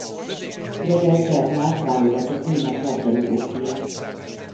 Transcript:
Robert Bernard válogatott német labdarúgó fia.